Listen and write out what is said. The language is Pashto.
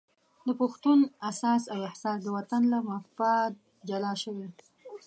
د پښتون اساس او احساس د وطن له مفاد جلا شوی.